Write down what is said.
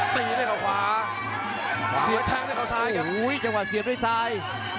ตีด้วยเขาขวาเสียแทงด้วยเขาซ้ายโอ้โหจังหวะเสียบด้วยซ้าย